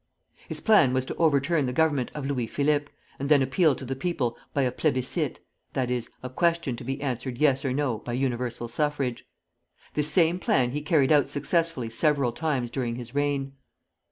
His plan was to overturn the government of Louis Philippe, and then appeal to the people by a plébiscite, i. e., a question to be answered yes or no by universal suffrage. This same plan he carried out successfully several times during his reign.